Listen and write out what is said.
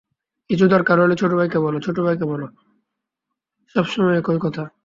কিছু দরকার হলে ছোট ভাইকে বল, ছোট ভাইকে বল, সব সময় একই কথা।